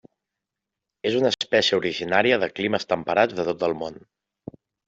És una espècie originària de climes temperats de tot el món.